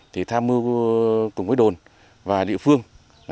thì tham mưu cùng với đồn và địa phương